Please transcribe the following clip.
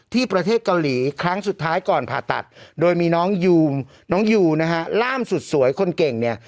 ที่ประเทศเกาหลีครั้งสุดท้ายก่อนผ่าตัดโดยมีน้องยูมน้องยูนะฮะล่ามสุดสวยคนเก่งเนี่ย